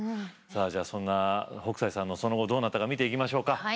さあじゃあそんな北斎さんのその後どうなったか見ていきましょうか。